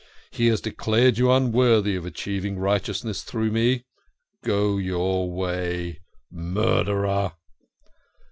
He has declared you unworthy of achieving righteousness through me. Go your way, murderer